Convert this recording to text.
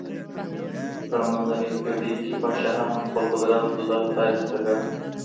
په منځنۍ پېړۍ کي پادشاهانو خپل قدرت له خدای څخه ګاڼه.